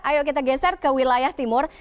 ayo kita geser ke wilayah timur